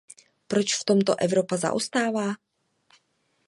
Proč v tomto Evropa zaostává?